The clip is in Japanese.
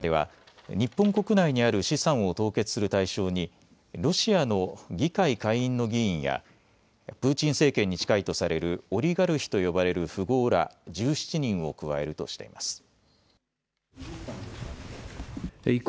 この中では日本国内にある資産を凍結する対象にロシアの議会下院の議員やプーチン政権に近いとされるオリガルヒと呼ばれる富豪ら１７人を加えるとしています。